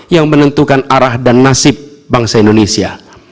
yang menentukan arah dan nasib bangsa indonesia